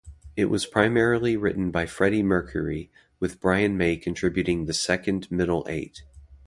It was primarily written by Freddie Mercury, with Brian May contributing the second middle-eight.